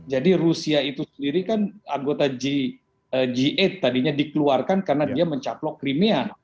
jadi rusia itu sendiri kan anggota g delapan tadinya dikeluarkan karena dia mencaplok crimea